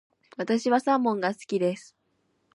私はサーモンが好きです。